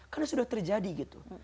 karena sudah terjadi gitu